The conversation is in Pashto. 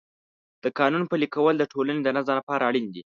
د قانون پلي کول د ټولنې د نظم لپاره اړین دی.